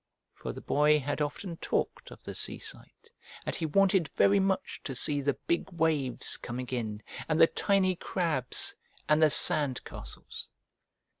For the boy had often talked of the seaside, and he wanted very much to see the big waves coming in, and the tiny crabs, and the sand castles.